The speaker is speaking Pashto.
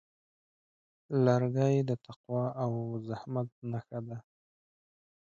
لرګی د تقوا او زحمت نښه ده.